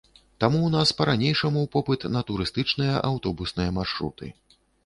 Таму ў нас па-ранейшаму попыт на турыстычныя аўтобусныя маршруты.